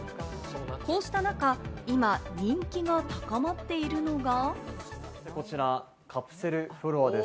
こうした中、今、人気が高まっているのが。